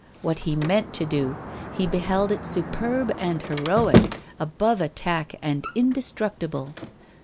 what he meant to do he beheld it superb and heroic, above attack and indestructible.